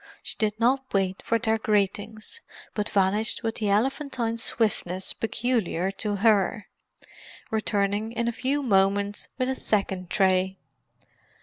She did not wait for their greetings, but vanished with the elephantine swiftness peculiar to her; returning in a few moments with a second tray.